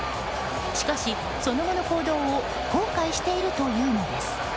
しかし、その後の行動を後悔しているというのです。